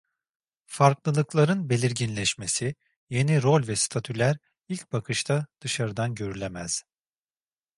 Farklılıkların belirginleşmesi, yeni rol ve statüler ilk bakışta dışarıdan görülemez.